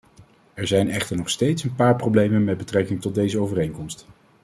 Er zijn echter nog steeds een paar problemen met betrekking tot deze overeenkomst.